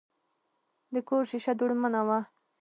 د کور شیشه دوړمنه وه.